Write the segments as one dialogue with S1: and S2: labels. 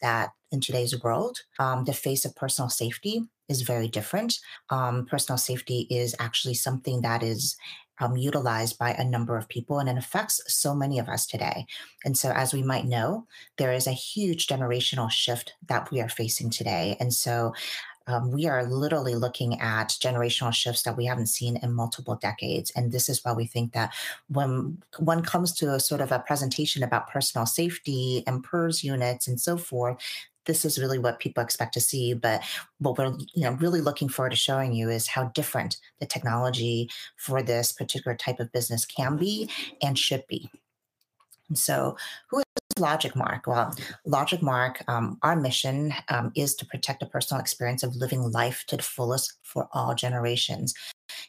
S1: that in today's world, the face of personal safety is very different. Personal safety is actually something that is, utilized by a number of people, and it affects so many of us today. And so, as we might know, there is a huge generational shift that we are facing today, and so, we are literally looking at generational shifts that we haven't seen in multiple decades. And this is why we think that when one comes to a sort of a presentation about personal safety, and PERS units, and so forth, this is really what people expect to see. But what we're, you know, really looking forward to showing you is how different the technology for this particular type of business can be and should be. And so who is LogicMark? Well, LogicMark, our mission is to protect the personal experience of living life to the fullest for all generations.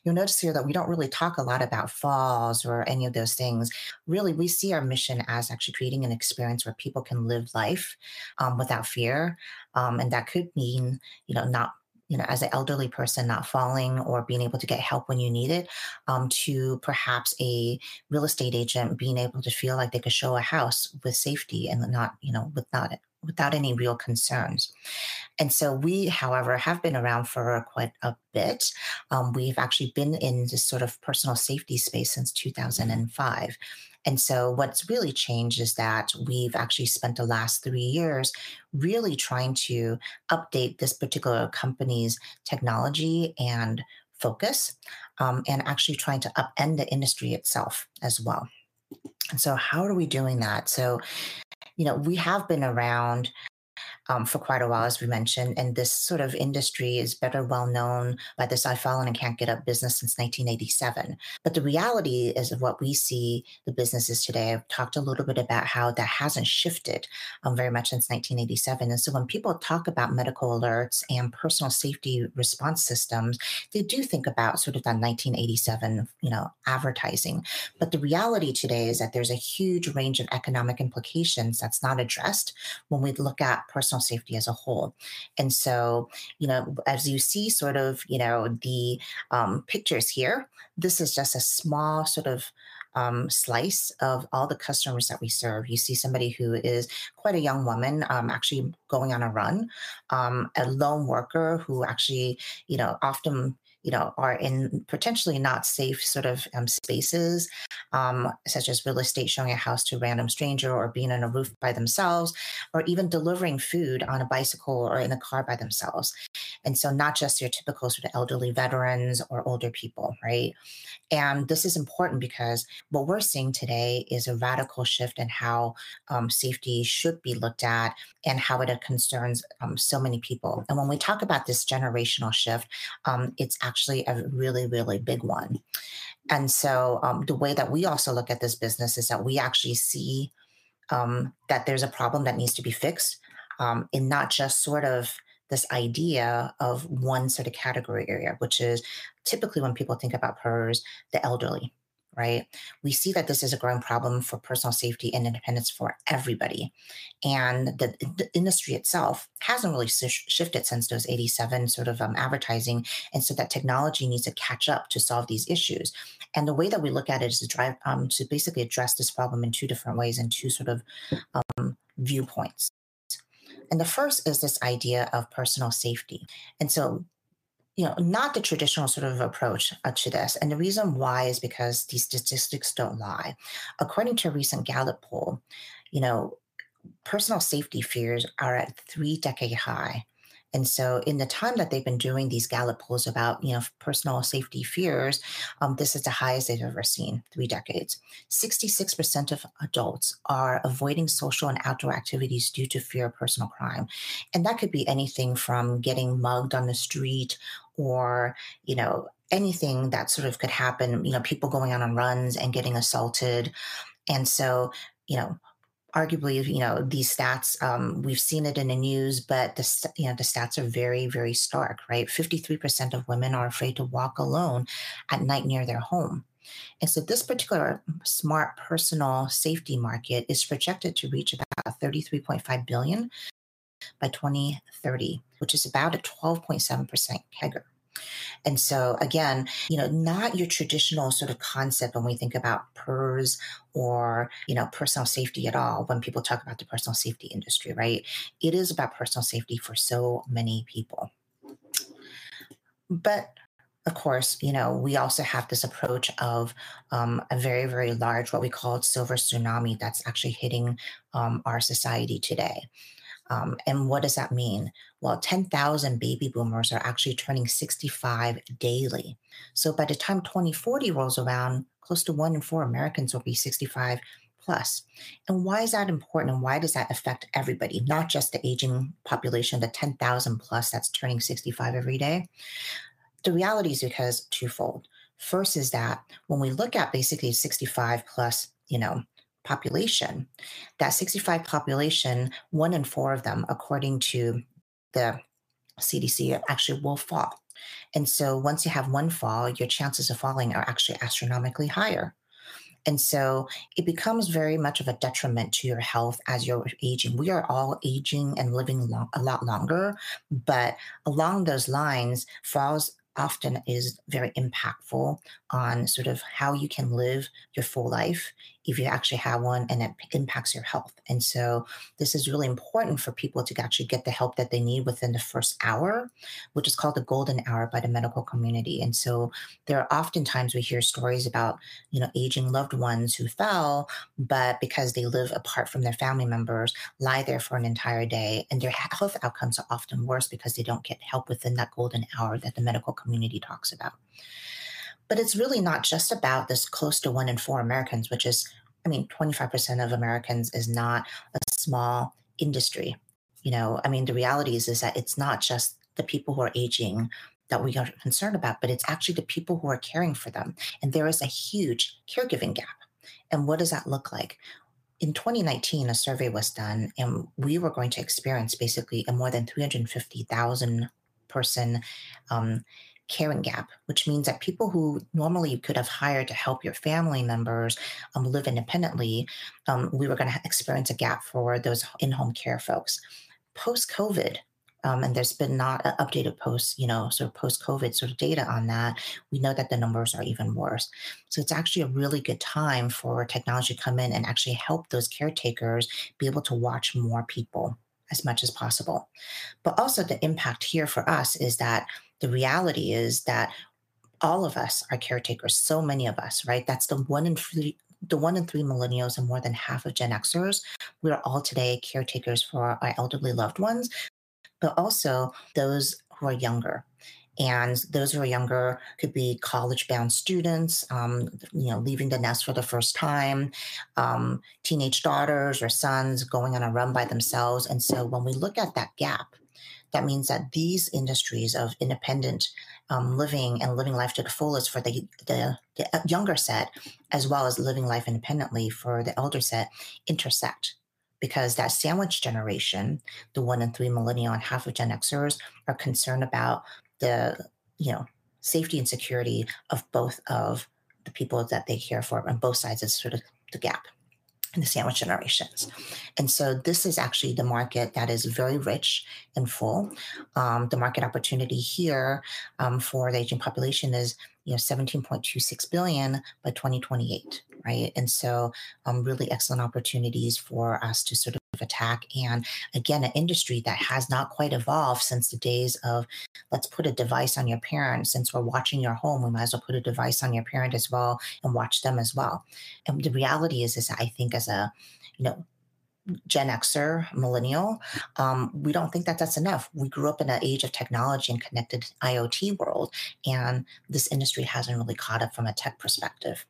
S1: You'll notice here that we don't really talk a lot about falls or any of those things. Really, we see our mission as actually creating an experience where people can live life without fear. And that could mean, you know, not, you know, as an elderly person, not falling or being able to get help when you need it, to perhaps a real estate agent being able to feel like they could show a house with safety and not, you know, without it- without any real concerns. And so we, however, have been around for quite a bit. We've actually been in this sort of personal safety space since 2005. And so what's really changed is that we've actually spent the last three years really trying to update this particular company's technology and focus, and actually trying to upend the industry itself as well. And so how are we doing that? So, you know, we have been around, for quite a while, as we mentioned, and this sort of industry is better well known by this, "I've fallen and can't get up," business since 1987. But the reality is of what we see the businesses today have talked a little bit about how that hasn't shifted, very much since 1987. And so when people talk about medical alerts and personal safety response systems, they do think about sort of that 1987, you know, advertising. But the reality today is that there's a huge range of economic implications that's not addressed when we look at personal safety as a whole. And so, you know, as you see sort of, you know, the, pictures here, this is just a small sort of, slice of all the customers that we serve. You see somebody who is quite a young woman, actually going on a run. A lone worker who actually, you know, often, you know, are in potentially not safe sort of, spaces, such as real estate, showing a house to a random stranger, or being on a roof by themselves, or even delivering food on a bicycle or in a car by themselves. And so not just your typical sort of elderly veterans or older people, right? This is important because what we're seeing today is a radical shift in how safety should be looked at and how it concerns so many people. When we talk about this generational shift, it's actually a really, really big one. So, the way that we also look at this business is that we actually see that there's a problem that needs to be fixed, and not just sort of this idea of one sort of category area, which is typically when people think about PERS, the elderly, right? We see that this is a growing problem for personal safety and independence for everybody, and the industry itself hasn't really shifted since those 1987 sort of advertising, and so that technology needs to catch up to solve these issuesA. The way that we look at it is to drive to basically address this problem in two different ways and two sort of viewpoints. The first is this idea of personal safety, and so, you know, not the traditional sort of approach to this. The reason why is because these statistics don't lie. According to a recent Gallup poll, you know, personal safety fears are at a three-decade high. In the time that they've been doing these Gallup polls about, you know, personal safety fears, this is the highest they've ever seen in three decades. 66% of adults are avoiding social and outdoor activities due to fear of personal crime, and that could be anything from getting mugged on the street or, you know, anything that sort of could happen, you know, people going out on runs and getting assaulted. And so, you know, arguably, you know, these stats, we've seen it in the news, but the you know, the stats are very, very stark, right? 53% of women are afraid to walk alone at night near their home. And so this particular smart personal safety market is projected to reach about $33.5 billion by 2030, which is about a 12.7% CAGR. And so again, you know, not your traditional sort of concept when we think about PERS or, you know, personal safety at all, when people talk about the personal safety industry, right? It is about personal safety for so many people. But of course, you know, we also have this approach of, a very, very large, what we call it, Silver Tsunami, that's actually hitting, our society today. And what does that mean? Well, 10,000 baby boomers are actually turning 65 daily. So by the time 2040 rolls around, close to one in four Americans will be 65+. And why is that important, and why does that affect everybody, not just the aging population, the 10,000+ that's turning 65 every day? The reality is because twofold. First is that when we look at basically 65+, you know, population, that 65 population, one in four of them, according to the CDC, actually will fall. And so once you have one fall, your chances of falling are actually astronomically higher. And so it becomes very much of a detriment to your health as you're aging. We are all aging and living a lot longer, but along those lines, falls often is very impactful on sort of how you can live your full life if you actually have one, and it impacts your health. So this is really important for people to actually get the help that they need within the first hour, which is called the Golden Hour by the medical community. There are oftentimes we hear stories about, you know, aging loved ones who fell, but because they live apart from their family members, lie there for an entire day, and their health outcomes are often worse because they don't get help within that Golden Hour that the medical community talks about. But it's really not just about this close to 1 in 4 Americans, which is, I mean, 25% of Americans is not a small industry, you know? I mean, the reality is, is that it's not just the people who are aging that we are concerned about, but it's actually the people who are caring for them, and there is a huge caregiving gap. What does that look like? In 2019, a survey was done, and we were going to experience basically a more than 350,000-person caring gap, which means that people who normally you could have hired to help your family members live independently, we were gonna experience a gap for those in-home care folks. Post-COVID, and there's been not an updated post, you know, sort of post-COVID sort of data on that, we know that the numbers are even worse. So it's actually a really good time for technology to come in and actually help those caretakers be able to watch more people as much as possible. But also, the impact here for us is that the reality is that all of us are caretakers, so many of us, right? That's the one in three—the one in three millennials and more than half of Gen Xers. We are all today caretakers for our elderly loved ones, but also those who are younger, and those who are younger could be college-bound students, you know, leaving the nest for the first time, teenage daughters or sons going on a run by themselves. And so when we look at that gap, that means that these industries of independent, living and living life to the fullest for the younger set, as well as living life independently for the older set, intersect. Because that sandwich generation, the one in three millennial and half of Gen Xers, are concerned about the, you know, safety and security of both of the people that they care for on both sides of sort of the gap in the sandwich generations. And so this is actually the market that is very rich and full. The market opportunity here, for the aging population is, you know, $17.26 billion by 2028, right? And so, really excellent opportunities for us to sort of attack, and again, an industry that has not quite evolved since the days of, "Let's put a device on your parents. Since we're watching your home, we might as well put a device on your parent as well and watch them as well." And the reality is I think as a, you know, Gen Xer, millennial, we don't think that that's enough. We grew up in an age of technology and connected IoT world, and this industry hasn't really caught up from a tech perspective.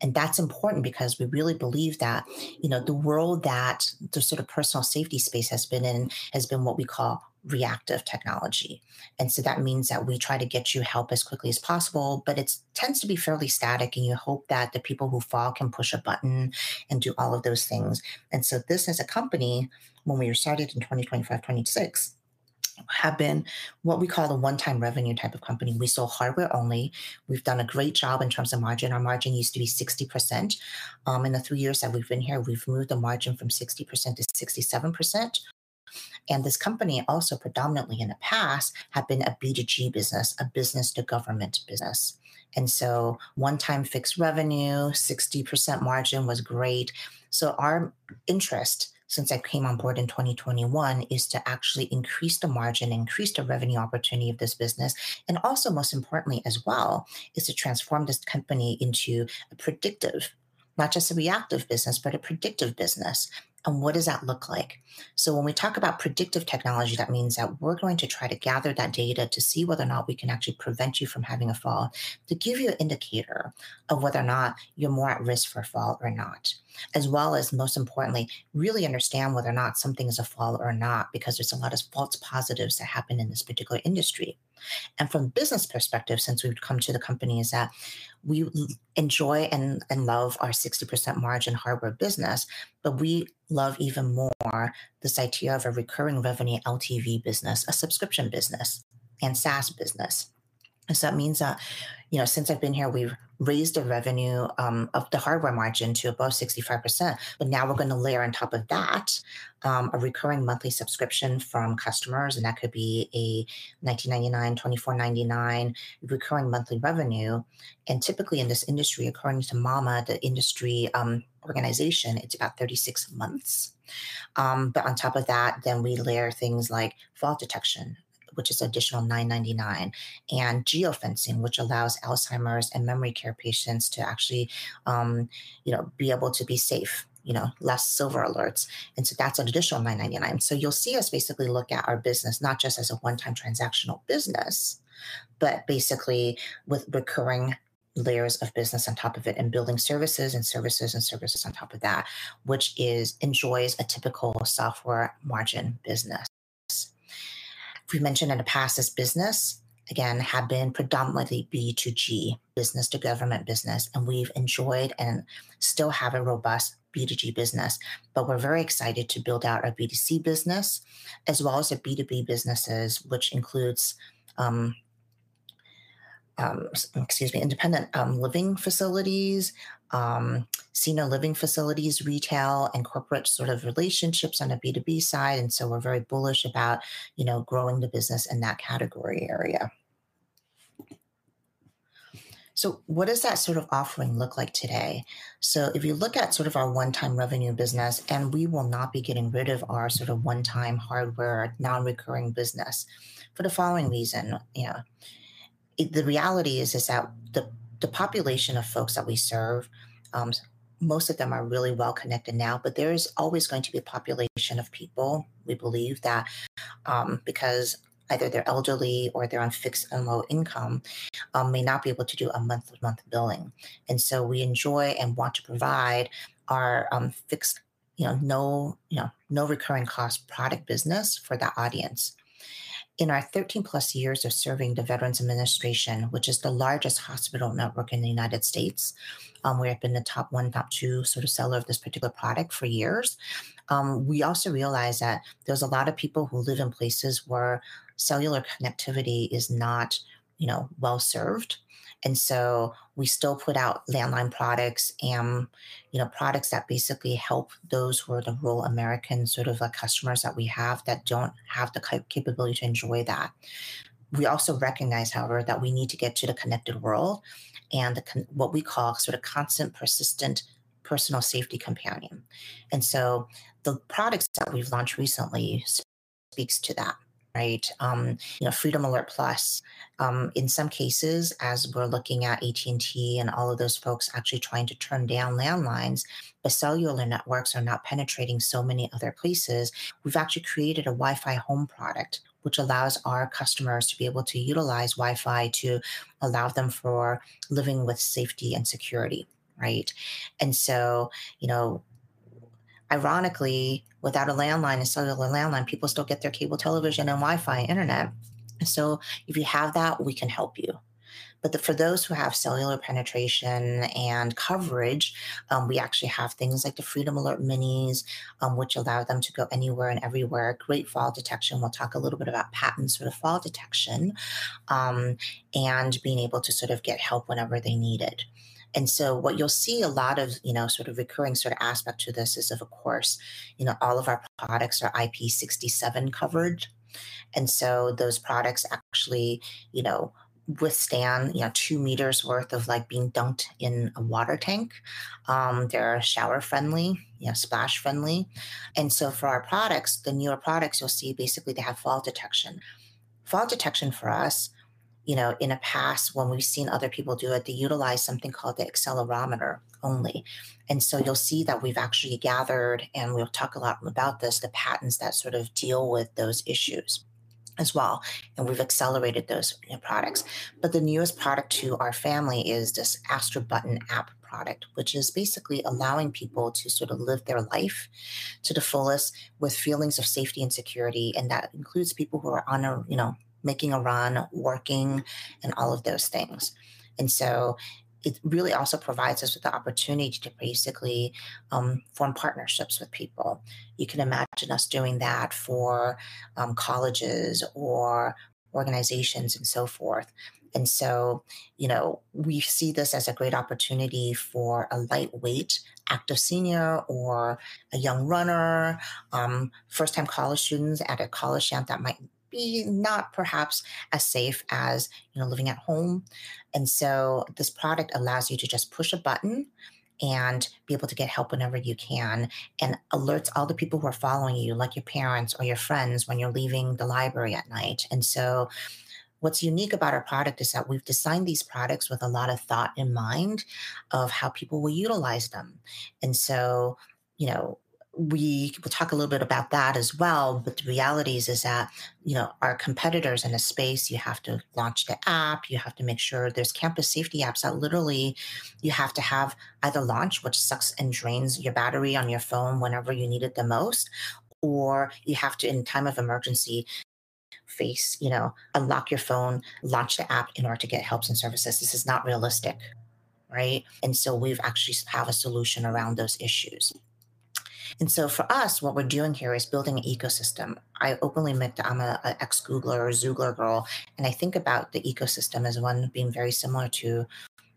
S1: And that's important because we really believe that, you know, the world that the sort of personal safety space has been in has been what we call reactive technology. And so that means that we try to get you help as quickly as possible, but it tends to be fairly static, and you hope that the people who fall can push a button and do all of those things. This, as a company, when we were started in 2025, 2026, have been what we call a one-time revenue type of company. We sold hardware only. We've done a great job in terms of margin. Our margin used to be 60%. In the 3 years that we've been here, we've moved the margin from 60% to 67%. And this company also predominantly in the past, have been a B2G business, a business-to-government business. And so one-time fixed revenue, 60% margin was great. So our interest, since I came on board in 2021, is to actually increase the margin, increase the revenue opportunity of this business, and also, most importantly as well, is to transform this company into a predictive - not just a reactive business, but a predictive business. And what does that look like? So when we talk about predictive technology, that means that we're going to try to gather that data to see whether or not we can actually prevent you from having a fall, to give you an indicator of whether or not you're more at risk for a fall or not, as well as, most importantly, really understand whether or not something is a fall or not, because there's a lot of false positives that happen in this particular industry. And from business perspective, since we've come to the company, is that we enjoy and love our 60% margin hardware business, but we love even more this idea of a recurring revenue LTV business, a subscription business and SaaS business. So that means that, you know, since I've been here, we've raised the revenue of the hardware margin to above 65%, but now we're gonna layer on top of that, a recurring monthly subscription from customers, and that could be a $19.99, $24.99 recurring monthly revenue. And typically, in this industry, according to MAMA, the industry organization, it's about 36 months. But on top of that, then we layer things like fall detection, which is additional $9.99, and geofencing, which allows Alzheimer's and memory care patients to actually, you know, be able to be safe, you know, less Silver Alerts, and so that's an additional $9.99. So you'll see us basically look at our business not just as a one-time transactional business, but basically with recurring layers of business on top of it, and building services and services and services on top of that, which is enjoys a typical software margin business. We mentioned in the past, this business again have been predominantly B2G, business to government business, and we've enjoyed and still have a robust B2G business. But we're very excited to build out our B2C business, as well as the B2B businesses, which includes, excuse me, independent living facilities, senior living facilities, retail, and corporate sort of relationships on the B2B side, and so we're very bullish about, you know, growing the business in that category area. So what does that sort of offering look like today? So if you look at sort of our one-time revenue business, and we will not be getting rid of our sort of one-time hardware, non-recurring business for the following reason, you know. The reality is that the population of folks that we serve, most of them are really well connected now, but there is always going to be a population of people, we believe, that, because either they're elderly or they're on fixed and low income, may not be able to do a month-to-month billing, and so we enjoy and want to provide our fixed, you know, no recurring cost product business for that audience. In our 13+ years of serving the Veterans Administration, which is the largest hospital network in the United States, we have been the top 1, top 2 sort of seller of this particular product for years. We also realize that there's a lot of people who live in places where cellular connectivity is not, you know, well-served, and so we still put out landline products and, you know, products that basically help those who are the rural American sort of, like, customers that we have that don't have the capability to enjoy that. We also recognize, however, that we need to get to the connected world and what we call sort of constant, persistent personal safety companion. And so the products that we've launched recently speaks to that, right? You know, Freedom Alert Plus, in some cases, as we're looking at AT&T and all of those folks actually trying to turn down landlines, the cellular networks are now penetrating so many other places. We've actually created a Wi-Fi home product, which allows our customers to be able to utilize Wi-Fi to allow them for living with safety and security, right? And so, you know, ironically, without a landline, a cellular landline, people still get their cable television and Wi-Fi internet. So if you have that, we can help you. But for those who have cellular penetration and coverage, we actually have things like the Freedom Alert Minis, which allow them to go anywhere and everywhere, great fall detection. We'll talk a little bit about patents for the fall detection, and being able to sort of get help whenever they need it. What you'll see a lot of, you know, sort of recurring sort of aspect to this is, of course, you know, all of our products are IP67 covered, and so those products actually, you know, withstand, you know, 2 meters worth of, like, being dunked in a water tank. They're shower-friendly, you know, splash-friendly. For our products, the newer products, you'll see basically they have fall detection. Fall detection for us, you know, in the past, when we've seen other people do it, they utilize something called the accelerometer only. You'll see that we've actually gathered, and we'll talk a lot about this, the patents that sort of deal with those issues as well, and we've accelerated those, you know, products. But the newest product to our family is this Aster Button app product, which is basically allowing people to sort of live their life to the fullest with feelings of safety and security, and that includes people who are on a, you know, making a run, working, and all of those things. And so it really also provides us with the opportunity to basically form partnerships with people. You can imagine us doing that for colleges or organizations and so forth. And so, you know, we see this as a great opportunity for a lightweight, active senior or a young runner first-time college students at a college camp that might be not perhaps as safe as, you know, living at home. And so this product allows you to just push a button and be able to get help whenever you can, and alerts all the people who are following you, like your parents or your friends, when you're leaving the library at night. And so what's unique about our product is that we've designed these products with a lot of thought in mind of how people will utilize them. And so, you know, we will talk a little bit about that as well. But the reality is, is that, you know, our competitors in the space, you have to launch the app, you have to make sure there's campus safety apps that literally you have to have either launch, which sucks and drains your battery on your phone whenever you need it the most, or you have to, in time of emergency, face, you know, unlock your phone, launch the app in order to get help and services. This is not realistic, right? And so we've actually have a solution around those issues. And so for us, what we're doing here is building an ecosystem. I openly admit I'm a ex-Googler or a Xoogler girl, and I think about the ecosystem as one being very similar to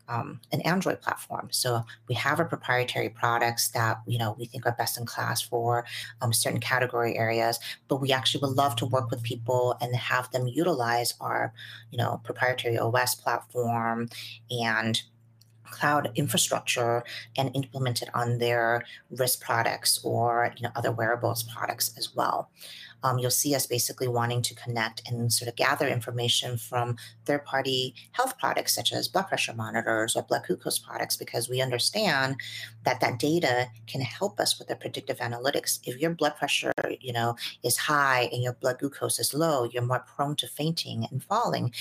S1: an Android platform. So we have a proprietary products that, you know, we think are best in class for certain category areas, but we actually would love to work with people and have them utilize our, you know, proprietary OS platform and cloud infrastructure and implement it on their wrist products or, you know, other wearables products as well. You'll see us basically wanting to connect and sort of gather information from third-party health products, such as blood pressure monitors or blood glucose products, because we understand that that data can help us with the predictive analytics. If your blood pressure, you know, is high and your blood glucose is low, you're more prone to fainting and falling.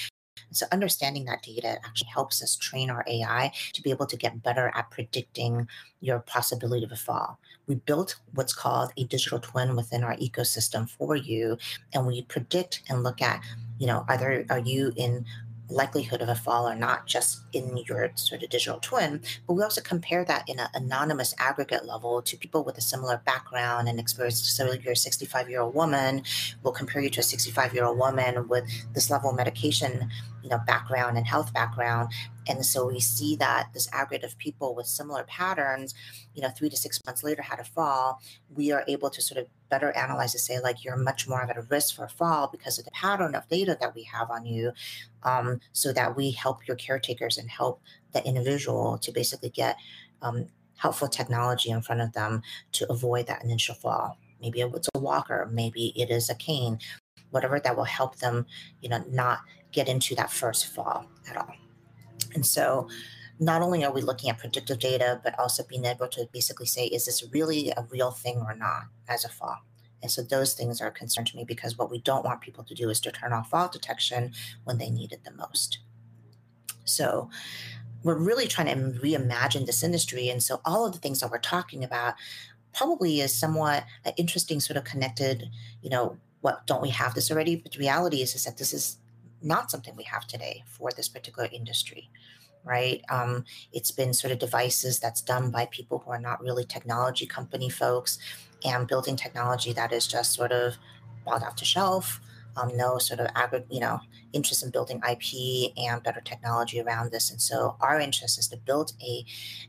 S1: And so understanding that data actually helps us train our AI to be able to get better at predicting your possibility of a fall. We built what's called a Digital Twin within our ecosystem for you, and we predict and look at, you know, are you in likelihood of a fall or not, just in your sort of Digital Twin. But we also compare that in a anonymous, aggregate level to people with a similar background and experience. So if you're a 65-year-old woman, we'll compare you to a 65-year-old woman with this level of medication, you know, background, and health background. And so we see that this aggregate of people with similar patterns, you know, 3-6 months later, had a fall. We are able to sort of better analyze to say, like, "You're much more at a risk for a fall because of the pattern of data that we have on you," so that we help your caretakers and help the individual to basically get helpful technology in front of them to avoid that initial fall. Maybe it's a walker, maybe it is a cane, whatever that will help them, you know, not get into that first fall at all. And so not only are we looking at predictive data, but also being able to basically say, "Is this really a real thing or not, as a fall?" And so those things are a concern to me because what we don't want people to do is to turn off fall detection when they need it the most. So we're really trying to reimagine this industry, and so all of the things that we're talking about probably is somewhat an interesting, sort of connected, you know, "What, don't we have this already?" But the reality is, is that this is not something we have today for this particular industry, right? It's been sort of devices that's done by people who are not really technology company folks, and building technology that is just sort of bought off the shelf, no sort of, you know, interest in building IP and better technology around this. And so our interest is to build a,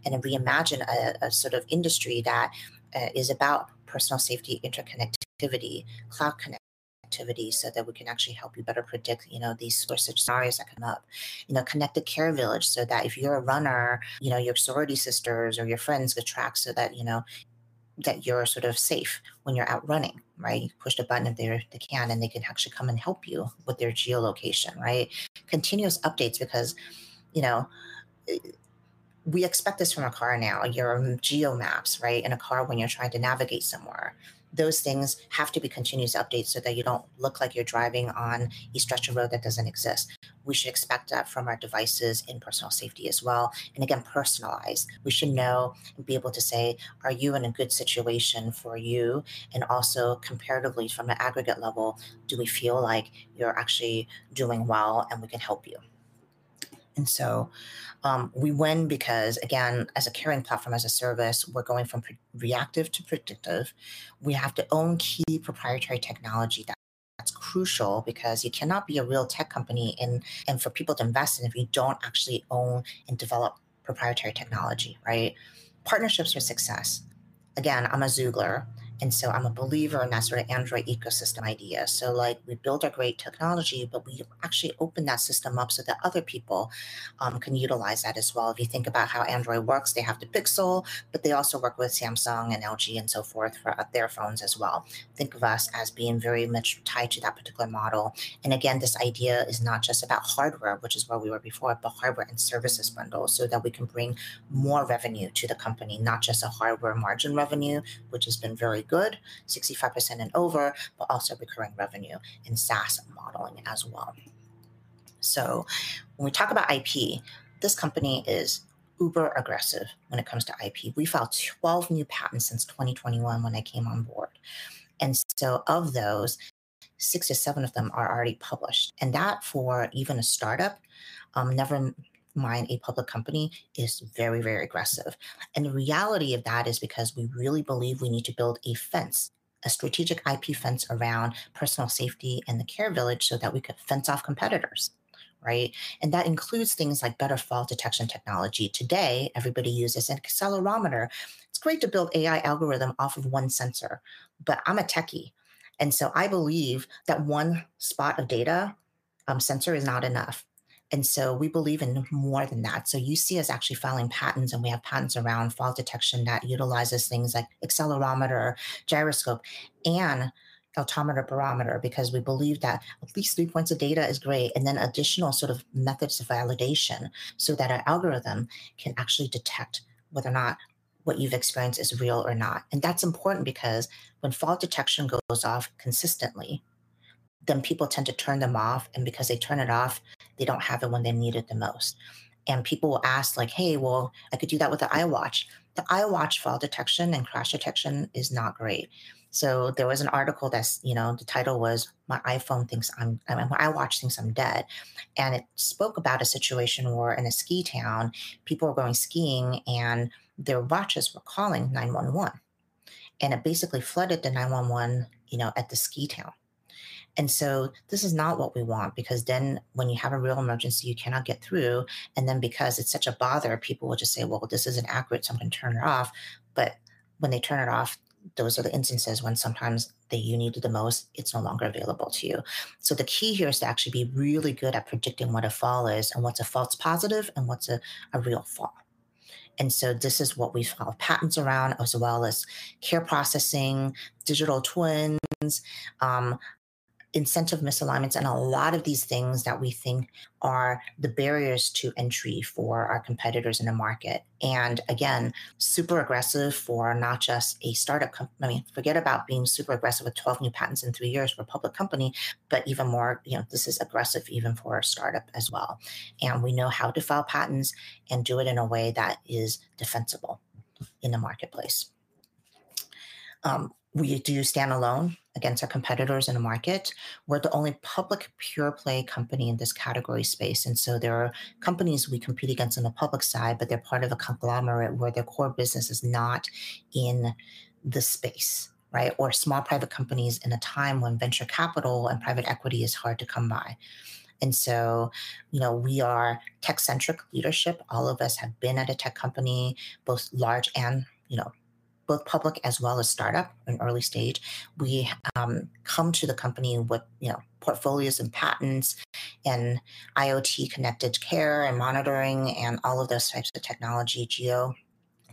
S1: and reimagine a, a sort of industry that is about personal safety, interconnectivity, cloud connectivity, so that we can actually help you better predict, you know, these sort of scenarios that come up. You know, connect the Care Village so that if you're a runner, you know, your sorority sisters or your friends can track so that, you know, that you're sort of safe when you're out running, right? You push the button if they're... they can, and they can actually come and help you with their geolocation, right? Continuous updates, because, you know, we expect this from a car now, your geo maps, right, in a car when you're trying to navigate somewhere. Those things have to be continuous updates so that you don't look like you're driving on a stretch of road that doesn't exist. We should expect that from our devices in personal safety as well. And again, personalized. We should know and be able to say, "Are you in a good situation for you?" And also, comparatively, from an aggregate level, do we feel like you're actually doing well, and we can help you? And so, we win because, again, as a caring platform, as a service, we're going from reactive to predictive. We have to own key proprietary technology. That's crucial because you cannot be a real tech company and for people to invest in if you don't actually own and develop proprietary technology, right? Partnerships for success. Again, I'm an ex-Googler, and so I'm a believer in that sort of Android ecosystem idea. So, like, we build a great technology, but we actually open that system up so that other people can utilize that as well. If you think about how Android works, they have the Pixel, but they also work with Samsung and LG and so forth for their phones as well. Think of us as being very much tied to that particular model. And again, this idea is not just about hardware, which is where we were before, but hardware and services bundles, so that we can bring more revenue to the company, not just a hardware margin revenue, which has been very good, 65% and over, but also recurring revenue and SaaS modelling as well. So when we talk about IP, this company is uber aggressive when it comes to IP. We filed 12 new patents since 2021 when I came on board, and so of those, 6-7 of them are already published. And that, for even a start-up, never mind a public company, is very, very aggressive. The reality of that is because we really believe we need to build a fence, a strategic IP fence around personal safety and the Care Village so that we could fence off competitors, right? That includes things like better fall detection technology. Today, everybody uses an accelerometer. It's great to build AI algorithm off of one sensor, but I'm a techie, and so I believe that one spot of data, sensor is not enough. We believe in more than that. You see us actually filing patents, and we have patents around fall detection that utilizes things like accelerometer, gyroscope, and altimeter, barometer, because we believe that at least three points of data is great, and then additional sort of methods of validation so that our algorithm can actually detect whether or not what you've experienced is real or not. That's important because when fall detection goes off consistently, then people tend to turn them off, and because they turn it off, they don't have it when they need it the most. And people will ask like: "Hey, well, I could do that with an iWatch." The iWatch fall detection and crash detection is not great. So there was an article that, you know, the title was: My iPhone Thinks I'm... My iWatch Thinks I'm Dead. And it spoke about a situation where, in a ski town, people were going skiing, and their watches were calling 911, and it basically flooded the 911, you know, at the ski town. And so this is not what we want, because then when you have a real emergency, you cannot get through, and then because it's such a bother, people will just say, "Well, this isn't accurate, so I'm going to turn it off." But when they turn it off, those are the instances when sometimes that you need it the most, it's no longer available to you. So the key here is to actually be really good at predicting what a fall is, and what's a false positive, and what's a real fall. And so this is what we file patents around, as well as care processing, digital twins, incentive misalignments, and a lot of these things that we think are the barriers to entry for our competitors in the market. And again, super aggressive for not just a startup—I mean, forget about being super aggressive with 12 new patents in 3 years. We're a public company, but even more, you know, this is aggressive even for a startup as well. And we know how to file patents and do it in a way that is defensible in the marketplace. We do stand alone against our competitors in the market. We're the only public pure-play company in this category space, and so there are companies we compete against on the public side, but they're part of a conglomerate where their core business is not in the space, right? Or small private companies in a time when venture capital and private equity is hard to come by. And so, you know, we are tech-centric leadership. All of us have been at a tech company, both large and, you know, both public as well as startup and early stage. We, come to the company with, you know, portfolios and patents and IoT-connected care and monitoring and all of those types of technology, geo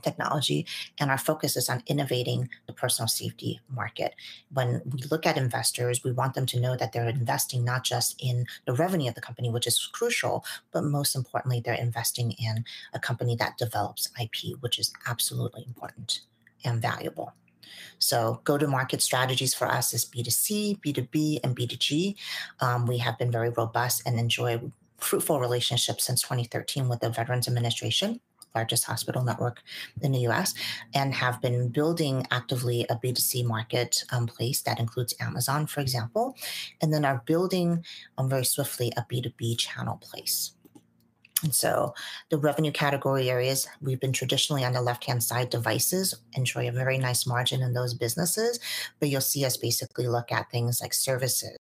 S1: technology, and our focus is on innovating the personal safety market. When we look at investors, we want them to know that they're investing not just in the revenue of the company, which is crucial, but most importantly, they're investing in a company that develops IP, which is absolutely important and valuable. So go-to-market strategies for us is B2C, B2B, and B2G. We have been very robust and enjoy fruitful relationships since 2013 with the Veterans Administration, largest hospital network in the U.S., and have been building actively a B2C market place that includes Amazon, for example, and then are building very swiftly a B2B channel place. And so the revenue category areas, we've been traditionally on the left-hand side devices, enjoy a very nice margin in those businesses, but you'll see us basically look at things like services,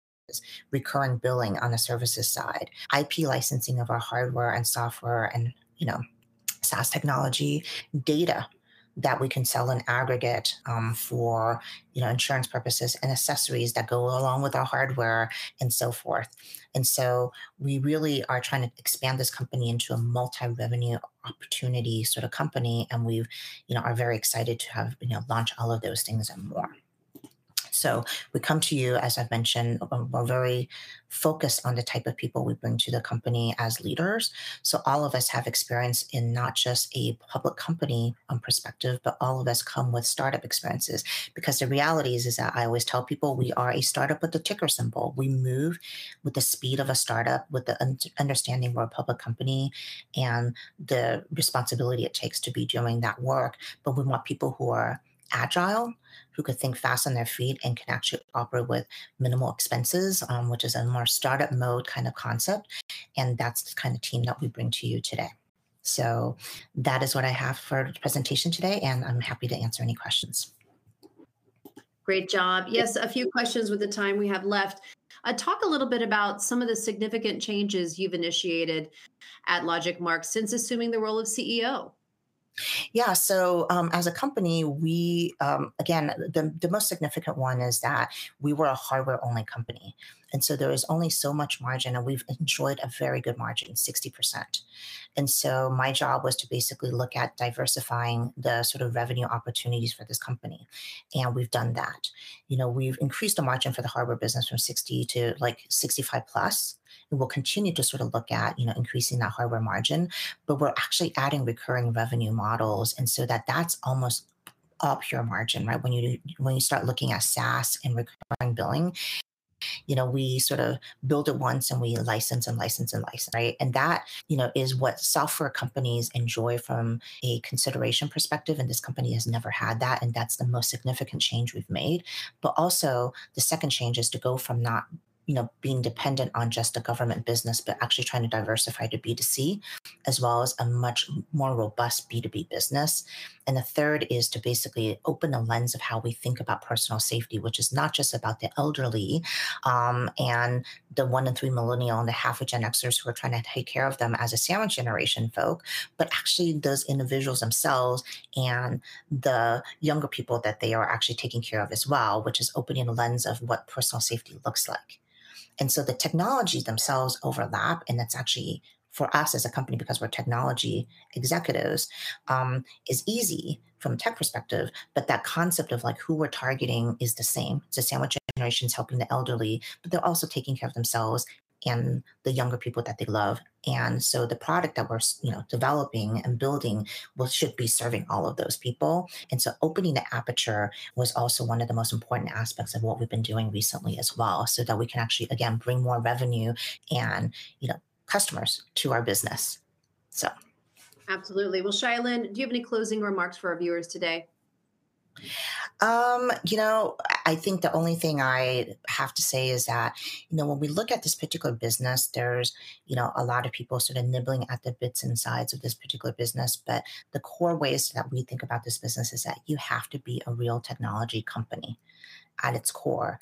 S1: recurring billing on the services side, IP licensing of our hardware and software and, you know, SaaS technology, data that we can sell in aggregate for, you know, insurance purposes, and accessories that go along with our hardware, and so forth. And so we really are trying to expand this company into a multi-revenue opportunity sort of company, and we've, you know, are very excited to have, you know, launch all of those things and more. So we come to you, as I've mentioned, we're very focused on the type of people we bring to the company as leaders. So all of us have experience in not just a public company, perspective, but all of us come with startup experiences because the reality is, is that I always tell people, we are a startup with a ticker symbol. We move with the speed of a startup, with the understanding we're a public company, and the responsibility it takes to be doing that work, but we want people who are agile, who can think fast on their feet, and can actually operate with minimal expenses, which is a more startup mode kind of concept, and that's the kind of team that we bring to you today. So that is what I have for the presentation today, and I'm happy to answer any questions.
S2: Great job. Yes, a few questions with the time we have left. Talk a little bit about some of the significant changes you've initiated at LogicMark since assuming the role of CEO?
S1: Yeah, so, as a company, we... Again, the most significant one is that we were a hardware-only company, and so there is only so much margin, and we've enjoyed a very good margin, 60%. And so my job was to basically look at diversifying the sort of revenue opportunities for this company, and we've done that. You know, we've increased the margin for the hardware business from 60 to, like, 65+, and we'll continue to sort of look at, you know, increasing that hardware margin, but we're actually adding recurring revenue models and so that's almost all pure margin, right? When you start looking at SaaS and recurring billing, you know, we sort of build it once, and we license and license and license, right? And that, you know, is what software companies enjoy from a consideration perspective, and this company has never had that, and that's the most significant change we've made. But also, the second change is to go from not, you know, being dependent on just the government business, but actually trying to diversify to B2C, as well as a much more robust B2B business. And the third is to basically open the lens of how we think about personal safety, which is not just about the elderly, and the 1 in 3 millennial and the half of Gen Xers who are trying to take care of them as a sandwich generation folk, but actually those individuals themselves and the younger people that they are actually taking care of as well, which is opening a lens of what personal safety looks like. And so the technologies themselves overlap, and it's actually, for us as a company, because we're technology executives, is easy from a tech perspective, but that concept of, like, who we're targeting is the same. So sandwich generation's helping the elderly, but they're also taking care of themselves and the younger people that they love. And so the product that we're you know, developing and building will should be serving all of those people. And so opening the aperture was also one of the most important aspects of what we've been doing recently as well, so that we can actually, again, bring more revenue and, you know, customers to our business, so.
S2: Absolutely. Well, Chia-Lin, do you have any closing remarks for our viewers today?
S1: You know, I think the only thing I have to say is that, you know, when we look at this particular business, there's, you know, a lot of people sort of nibbling at the bits and sides of this particular business. But the core ways that we think about this business is that you have to be a real technology company at its core,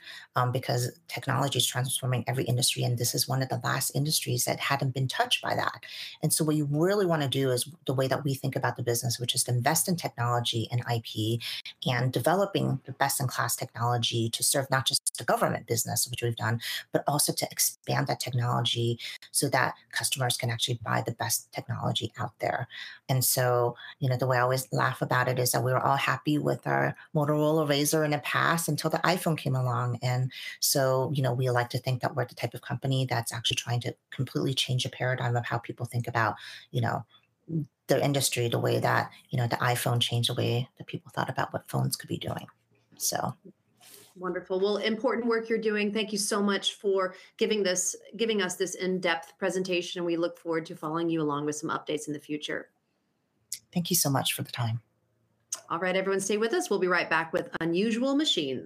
S1: because technology's transforming every industry, and this is one of the last industries that hadn't been touched by that. And so what you really wanna do is, the way that we think about the business, which is to invest in technology and IP and developing the best-in-class technology to serve not just the government business, which we've done, but also to expand that technology so that customers can actually buy the best technology out there. And so, you know, the way I always laugh about it is that we were all happy with our Motorola Razr in the past until the iPhone came along. And so, you know, we like to think that we're the type of company that's actually trying to completely change the paradigm of how people think about, you know, the industry, the way that, you know, the iPhone changed the way that people thought about what phones could be doing, so.
S2: Wonderful. Well, important work you're doing. Thank you so much for giving this, giving us this in-depth presentation, and we look forward to following you along with some updates in the future.
S1: Thank you so much for the time.
S2: All right, everyone, stay with us. We'll be right back with Unusual Machines.